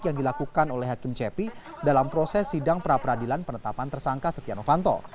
yang dilakukan oleh hakim cepi dalam proses sidang pra peradilan penetapan tersangka setia novanto